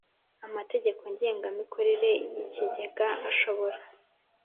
Amategeko ngengamikorere y ikigega ashobora